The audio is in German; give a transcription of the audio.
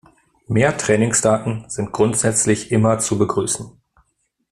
Mehr Trainingsdaten sind grundsätzlich immer zu begrüßen.